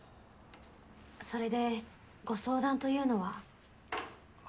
それでご相談というのは？